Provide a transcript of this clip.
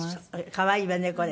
可愛いわねこれ。